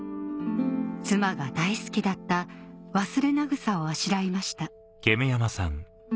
妻が大好きだったをあしらいました